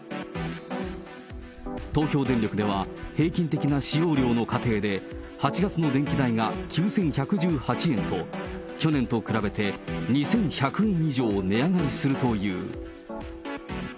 東京電力では、平均的な使用量の家庭で、８月の電気代が９１１８円と、去年と比べて、２１００円以上値上がりするという。